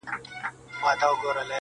خلك پوه سول چي خبره د قسمت ده٫